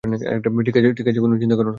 ঠিক আছে, চিন্তা করো না।